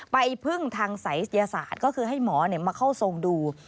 ไปพึ่งทางศัยศาสตร์ก็คือให้หมอมาเข้าทรงดู